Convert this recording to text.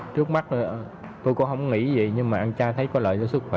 trước mắt tôi cũng không nghĩ gì nhưng mà ăn chay thấy có lợi cho sức khỏe